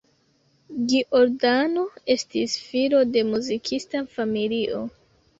Giordano estis filo de muzikista familio.